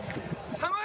寒い！